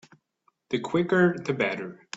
The quicker the better.